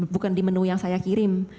bukan di menu yang saya kirim